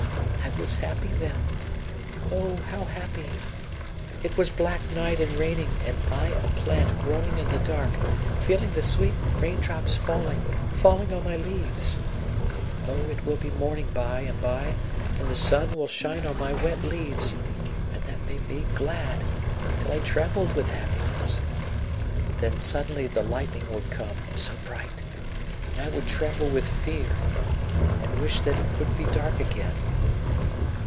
I was happy then oh, how happy! It was black night and raining, and I a plant growing in the dark, feeling the sweet raindrops falling, falling on my leaves. Oh, it will be morning by and by and the sun will shine on my wet leaves; and that made me glad till I trembled with happiness. Then suddenly the lightning would come, so bright, and I would tremble with fear, and wish that it would be dark again.